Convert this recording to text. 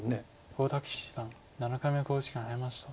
大竹七段７回目の考慮時間に入りました。